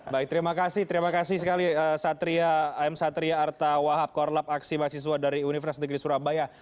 baik terima kasih terima kasih sekali satria m satria arta wahab korlap aksi mahasiswa dari universitas negeri surabaya